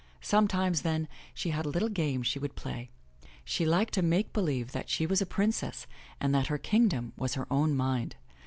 Sometimes, then, she had a little game she would play. She liked to make believe that she was a princess and that her kingdom was her own mind.